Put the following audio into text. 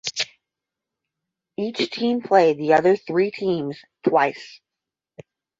Each team played the other three teams twice.